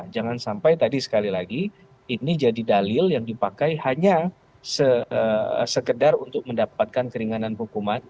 jangan sampai tadi sekali lagi ini jadi dalil yang dipakai hanya sekedar untuk mendapatkan keringanan hukuman